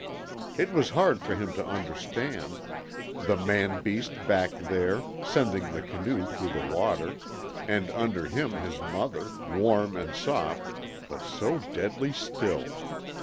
It was hard for him to understand the man beast back there, sending the canoe through the water, and under him his mother, warm and soft, but so deadly still!